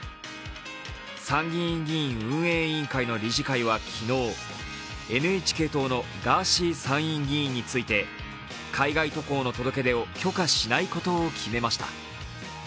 参議院議員運営委員会の理事会は昨日、ＮＨＫ党のガーシー参議院議員について海外渡航の届け出を許可しないことを決めました。